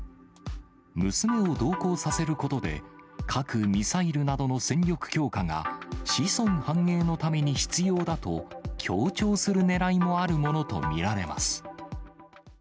娘を同行させることで、核・ミサイルなどの戦力強化が子孫繁栄のために必要だと、強調するねらいもあるものと見られます。